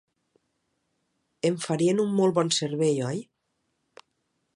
Em farien un molt bon servei, oi?